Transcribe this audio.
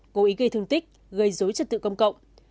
cố ý gây thương tích gây dối trật tự công cộng